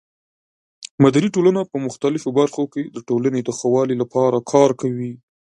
مدني ټولنه په مختلفو برخو کې د ټولنې د ښه والي لپاره کار کوي.